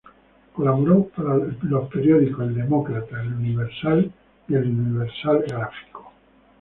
Colaboró para los periódicos "El Demócrata", "El Universal" y "El Universal Gráfico".